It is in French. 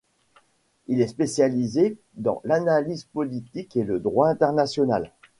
Il est spécialisé dans l'analyse politique et le droit international.